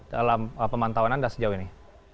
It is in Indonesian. dalam pemantauan anda sejauh ini